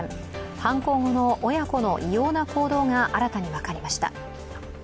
犯行後の親子の異様な行動が新たに分かりました。